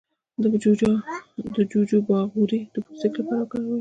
د جوجوبا غوړي د پوستکي لپاره وکاروئ